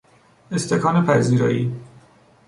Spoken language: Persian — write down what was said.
استکان پذیرایی